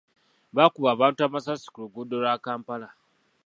Baakuba abantu amasasi ku luguudo lwa Kampala.